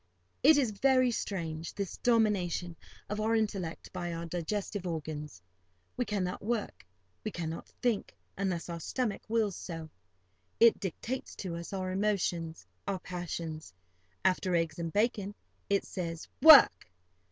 It is very strange, this domination of our intellect by our digestive organs. We cannot work, we cannot think, unless our stomach wills so. It dictates to us our emotions, our passions. After eggs and bacon, it says, "Work!"